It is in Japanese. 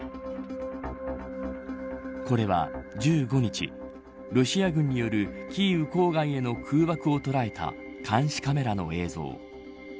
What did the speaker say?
これは、１５日ロシア軍によるキーウ郊外への空爆を捉えた監視カメラの映像。